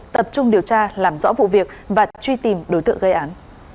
tập trung điều tra làm rõ vụ việc và truy tìm đối tượng gây án